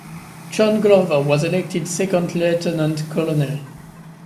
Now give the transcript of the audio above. John Glover was elected second lieutenant colonel.